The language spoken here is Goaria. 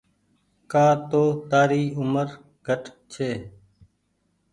ڪآ تو تآري اومر گھٽ ڇي۔